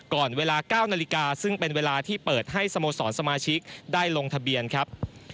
ก่อนเวลา๙นาฬิกาซึ่งเป็นเวลาที่เปิดให้สโมสรสมาชิกได้ลงทะเบียนครับ